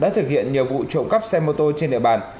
thực hiện nhiệm vụ trộm cắp xe mô tô trên địa bàn